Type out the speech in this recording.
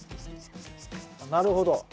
なるほど。